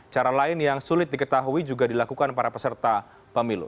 cara lain yang sulit diketahui juga dilakukan para peserta pemilu